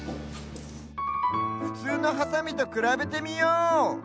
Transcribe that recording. ふつうのハサミとくらべてみよう！